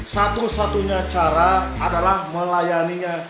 satu satunya cara adalah melayaninya